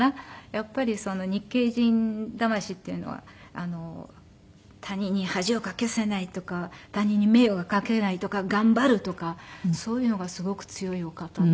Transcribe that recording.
やっぱり日系人魂っていうのは他人に恥をかかせないとか他人に迷惑かけないとか頑張るとかそういうのがすごく強いお方で。